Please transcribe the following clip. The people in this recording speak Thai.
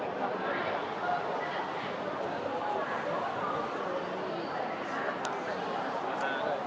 สวัสดีครับสวัสดีครับ